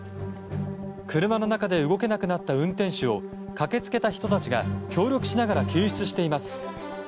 車の中で動けなくなった運転手を駆け付けた人たちが協力しながら救出しています。